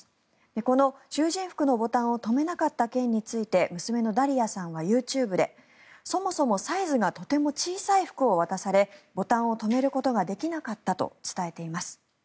この囚人服のボタンを留めなかった件について娘のダリヤさんはＹｏｕＴｕｂｅでそもそもサイズがとても小さい服を渡されボタンを留めることができなかったと伝えています。